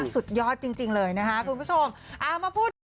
สุดยอดจริงเลยนะคะคุณผู้ชม